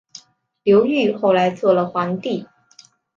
刘裕后来做了皇帝。